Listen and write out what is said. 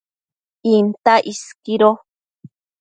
Intac isquido